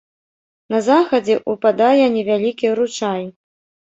На захадзе ўпадае невялікі ручай.